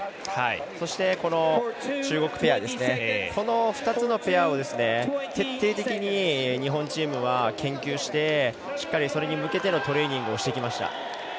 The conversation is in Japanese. そして、中国ペアこの２つのペアを徹底的に日本チームは研究してそれに向けてのトレーニングをしてきました。